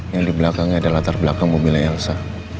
yang di belakangnya ada latar belakang mobilnya elsa